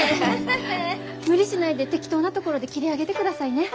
無理しないで適当なところで切り上げてくださいね。